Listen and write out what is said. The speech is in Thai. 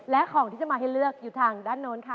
และของที่จะมาให้เลือกอยู่ทางด้านโน้นค่ะ